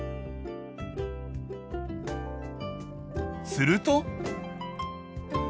すると。